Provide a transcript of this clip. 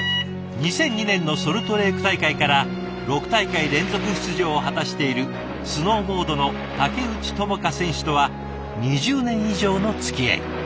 ２００２年のソルトレーク大会から６大会連続出場を果たしているスノーボードの竹内智香選手とは２０年以上のつきあい。